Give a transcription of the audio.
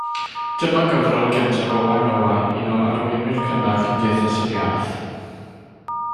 Dyma gyfrol gyntaf Owain Owain, un o arweinwyr cynnar Cymdeithas yr Iaith.